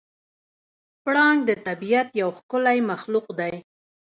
پړانګ د طبیعت یو ښکلی مخلوق دی.